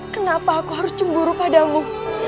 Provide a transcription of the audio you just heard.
kenapa aku harus cemburu padamu